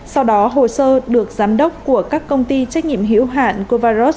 sau đó hồ sơ được giám đốc của các công ty trách nhiệm hiệu hạn covarros